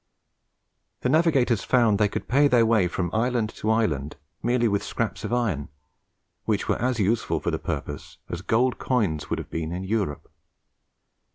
The navigators found they could pay their way from island to island merely with scraps of iron, which were as useful for the purpose as gold coins would have been in Europe.